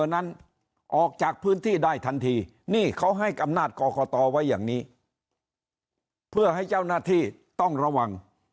นั้นออกจากพื้นที่ได้ทันทีนี่เขาให้อำนาจกรกตไว้อย่างนี้เพื่อให้เจ้าหน้าที่ต้องระวัง